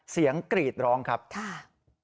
เสียงกรีดร้องครับค่ะค่ะ